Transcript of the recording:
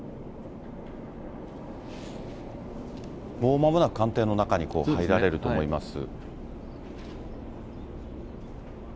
もうまもなく官邸の中に入られると思います。